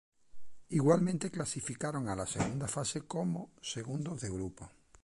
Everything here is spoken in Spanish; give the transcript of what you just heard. Igualmente clasificaron a la siguiente fase como segundos del grupo.